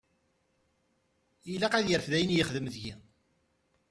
Ilaq ad yerfed ayen yexdem deg-i.